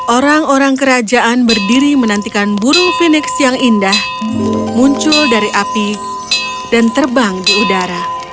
orang orang kerajaan berdiri menantikan burung fenix yang indah muncul dari api dan terbang di udara